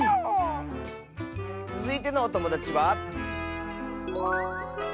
つづいてのおともだちは。